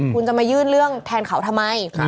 คุณจะมายื่นเรื่องแทนเขาทำไม